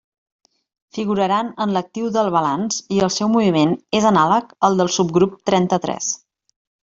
Figuraran en l'actiu del balanç i el seu moviment és anàleg al del subgrup trenta-tres.